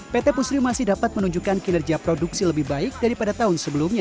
pt pusri masih dapat menunjukkan kinerja produksi lebih baik daripada tahun sebelumnya